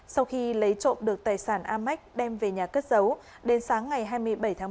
sau khi lấy trộm được tài sản amec đem về nhà cất giấu đến sáng ngày hai mươi bảy tháng một